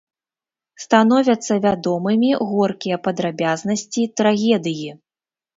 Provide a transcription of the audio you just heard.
Становяцца вядомымі горкія падрабязнасці трагедыі.